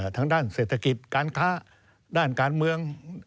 ทางด้านเศรษฐกิจการค้าด้านการเมือง